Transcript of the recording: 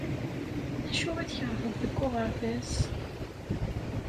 D acu i tkeṛheḍ deg uɣerbaz?